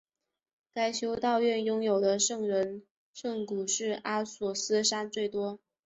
该修道院拥有的圣人圣髑是阿索斯山最多的。